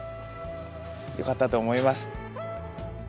よかったと思います。